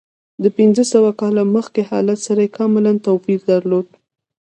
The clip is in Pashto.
د پنځه سوه کاله مخکې حالت سره کاملا توپیر درلود.